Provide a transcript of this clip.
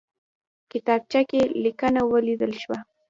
کتابچه کې لیکنه ولیدل شوه.